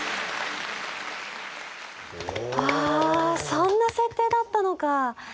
ああそんな設定だったのか。